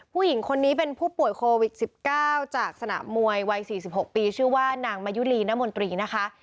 ผู้หญิงคนนี้เป็นผู้ป่วยโควิด๑๙จากสนามมวยวัย๔๖ปีชื่อว่านางมายุรีนมนตรีนะคะ